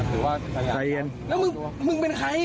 แล้วมึงมึงเป็นใคร